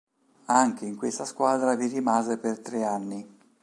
Anche in questa squadra vi rimase per tre anni.